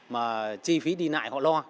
mà chi phí đi lại họ lo